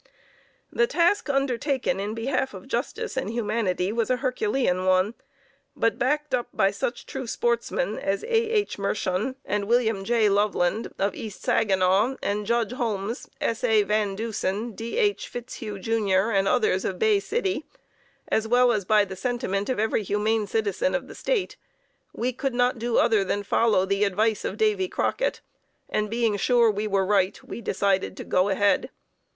The task undertaken in behalf of justice and humanity was a Herculean one, but backed up by such true sportsmen as A. H. Mershon and Wm. J. Loveland, of East Saginaw, and Judge Holmes, S. A. Van Dusen, D. H. Fitzhugh, Jr., and others of Bay City, as well as by the sentiment of every humane citizen of the State, we could not do other than follow the advice of Davy Crockett, and being sure we were right, we decided to "go ahead."